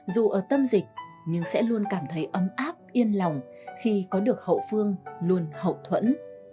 dù ở tâm dịch nhưng sẽ luôn cảm thấy ấm áp yên lòng khi có được hậu phương luôn hậu thuẫn